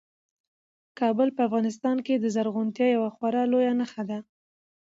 کابل په افغانستان کې د زرغونتیا یوه خورا لویه نښه ده.